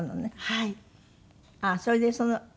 はい。